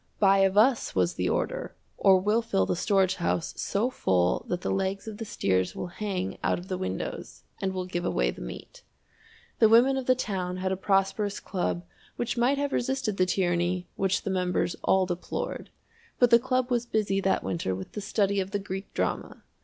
"Buy of us," was the order, "or we'll fill the storage house so full that the legs of the steers will hang out of the windows, and we'll give away the meat." The women of the town had a prosperous club which might have resisted the tyranny which the members all deplored, but the club was busy that winter with the study of the Greek drama!